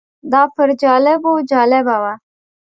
دا پر جالبو جالبه وه.